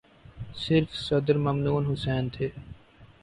صرف صدر ممنون حسین تھے۔